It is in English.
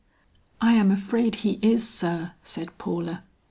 "I am afraid he is, sir," said Paula.